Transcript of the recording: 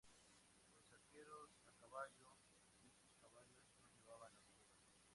Los arqueros a caballo y sus caballos, no llevaban armadura.